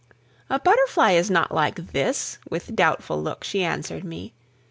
"A butterfly is not like this," With doubtful look she answered me.